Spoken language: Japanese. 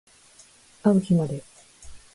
あう日まで